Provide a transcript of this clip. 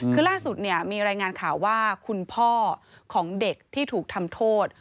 คือล่าสุดเนี่ยมีรายงานข่าวว่าคุณพ่อของเด็กที่ถูกทำโทษ